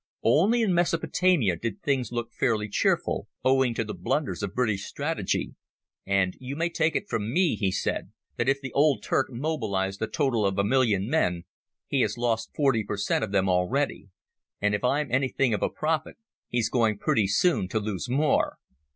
Only in Mesopotamia did things look fairly cheerful, owing to the blunders of British strategy. "And you may take it from me," he said, "that if the old Turk mobilized a total of a million men, he has lost 40 per cent of them already. And if I'm anything of a prophet he's going pretty soon to lose more."